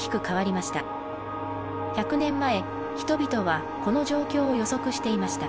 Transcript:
１００年前人々はこの状況を予測していました。